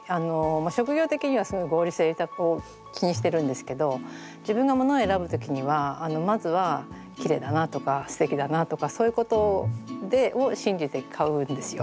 職業的にはすごい合理性を気にしてるんですけど自分がものを選ぶ時にはまずはきれいだなとかすてきだなとかそういうことを信じて買うんですよ。